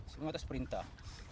semua atas perintah